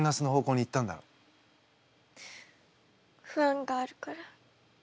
不安があるから。